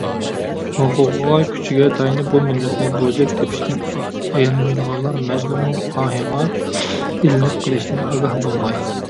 ھوقۇقىغا، كۈچىگە تايىنىپ بۇ مىللەتنى بوزەك تېپىشتىن ئايانمايدىغانلار مەزلۇمنىڭ ئاھىغا ئىلىنىپ قىلىشتىن ئاگاھ بولغاي.